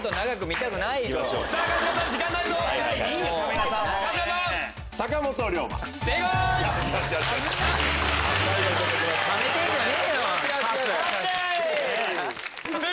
ためてんじゃねえよ！